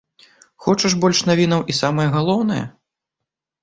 Хочаш больш навінаў і самае галоўнае?